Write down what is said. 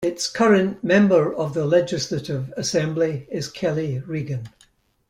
Its current Member of the Legislative Assembly is Kelly Regan.